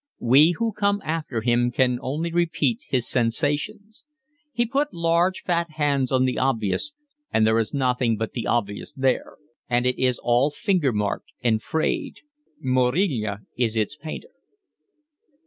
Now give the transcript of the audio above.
We who come after him can only repeat his sensations. He put large fat hands on the obvious and there is nothing but the obvious there; and it is all finger marked and frayed. Murillo is its painter."